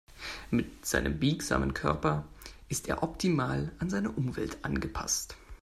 Mit seinem biegsamen Körper ist er optimal an seine Umwelt angepasst.